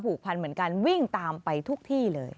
พันเหมือนกันวิ่งตามไปทุกที่เลย